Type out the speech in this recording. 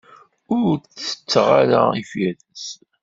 Ur tetteɣ ara ifires.